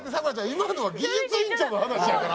今のは技術委員長の話やから。